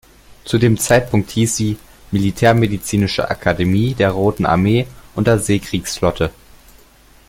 Zu dem Zeitpunkt hieß sie "Militärmedizinische Akademie der Roten Armee und der Seekriegsflotte".